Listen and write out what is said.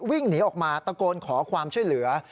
วิ่งหนีออกมาตะโกนขอความช่วยเหลือ